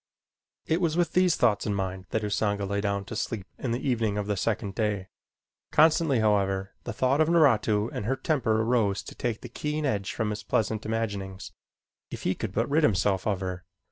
It was with these thoughts in mind that Usanga lay down to sleep in the evening of the second day. Constantly, however, the thought of Naratu and her temper arose to take the keen edge from his pleasant imaginings. If he could but rid himself of her!